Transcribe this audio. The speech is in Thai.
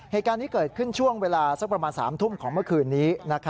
เหตุการณ์นี้เกิดขึ้นช่วงเวลาสักประมาณ๓ทุ่มของเมื่อคืนนี้